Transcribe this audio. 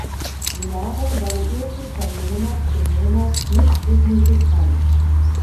Die Nahrung variierte von Monat zu Monat nicht signifikant.